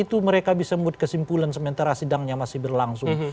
itu mereka bisa membuat kesimpulan sementara sidangnya masih berlangsung